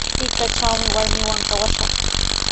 Hirkatrawmi warmiiwan kawashaq.